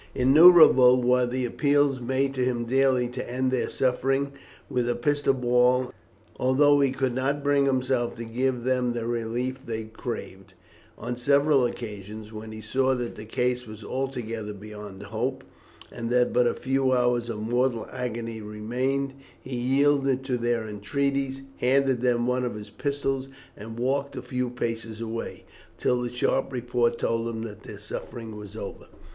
] Innumerable were the appeals made to him daily to end their sufferings with a pistol ball; and, although he could not bring himself to give them the relief they craved, on several occasions, when he saw that the case was altogether beyond hope, and that but a few hours of mortal agony remained, he yielded to their entreaties, handed them one of his pistols, and walked a few paces away, until the sharp report told him that their sufferings were over.